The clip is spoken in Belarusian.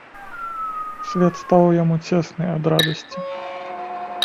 Свет стаў яму цесны ад радасці.